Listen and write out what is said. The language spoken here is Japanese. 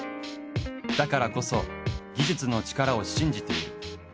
だからこそ技術の力を信じている。